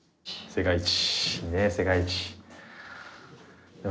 世界一。